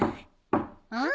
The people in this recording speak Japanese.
・うん？